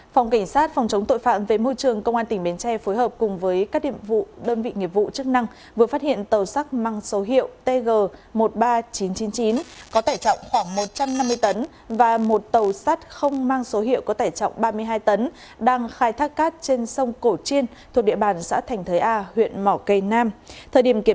phòng kỷ sát phòng chống tội phạm về môi trường công an tp ung bí tỉnh quảng ninh cho biết vừa tiến hành kiểm tra nhà của vũ văn quyết hai mươi hai hộp pháo nổ các loại